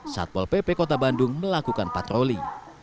satpol pp kota bandung melakukan patroli